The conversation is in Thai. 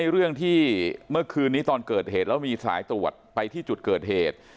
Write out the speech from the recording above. เรื่องที่เมื่อคืนนี้ตอนเกิดเหตุแล้วมีสายตรวจไปที่จุดเกิดเหตุ